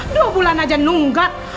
dua bulan aja nunggat